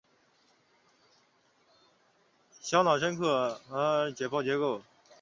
小脑深部核团是小脑的深部的解剖结构。